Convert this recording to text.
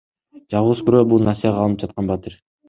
Жалгыз күрөө — бул насыяга алынып жаткан батир.